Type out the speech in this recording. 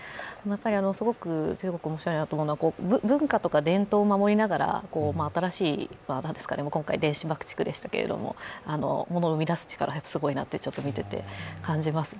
すごく中国、面白いなと思うのは、文化や伝統を守りながら新しい、今回は電子爆竹でしたけれども、生み出す力はすごいなと見てて感じますね。